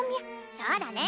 そうだね！